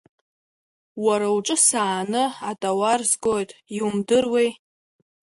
Уара уҿы сааны, атауар згоит, иумдыруеи.